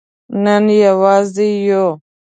نن یوازې یو